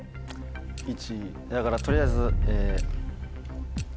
１だから取りあえず。